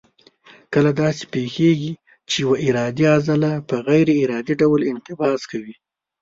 کله داسې پېښېږي چې یوه ارادي عضله په غیر ارادي ډول انقباض کوي.